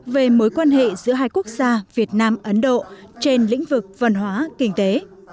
về mối quan hệ giữa hai quốc gia việt nam ấn độ trên lĩnh vực văn hóa kinh tế